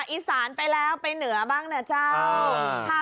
อีสานไปแล้วไปเหนือบ้างนะเจ้า